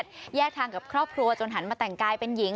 ปัญหาความเครียดแยกทางกับครอบครัวจนหันมาแต่งกายเป็นหญิง